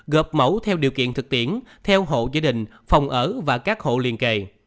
gợp mẫu theo điều kiện thực tiễn theo hộ gia đình phòng ở và các hộ liên kề